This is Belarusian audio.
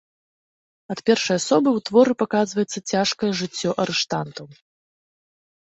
Ад першай асобы ў творы паказваецца цяжкае жыццё арыштантаў.